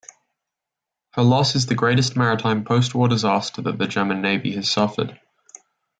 Her loss is the greatest maritime post-war disaster that the German Navy has suffered.